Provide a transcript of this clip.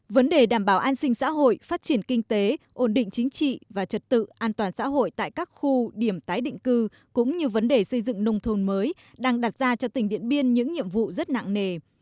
vấn đề đảm bảo an sinh xã hội phát triển kinh tế ổn định chính trị và trật tự an toàn xã hội tại các khu điểm tái định cư cũng như vấn đề xây dựng nông thôn mới đang đặt ra cho tỉnh điện biên những nhiệm vụ rất nặng nề